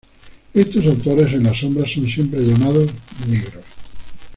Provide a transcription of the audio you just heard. Estos autores en la sombra son siempre llamados "negros".